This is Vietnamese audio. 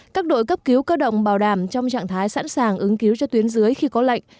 các đội cấp cứu cơ động bảo đảm trong trạng thái sẵn sàng ứng cứu cho tuyến dưới khi có lệnh